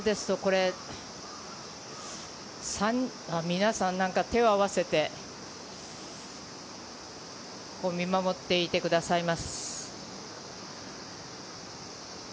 皆さん何か手を合わせて、見守っていてくださいます。